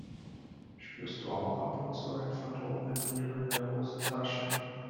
Spürst du auch ab und zu ein Phantomvibrieren in der Hosentasche?